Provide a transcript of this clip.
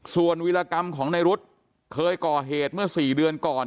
ส่วนวิรากรรมของในรุธเคยก่อเหตุเมื่อ๔เดือนก่อน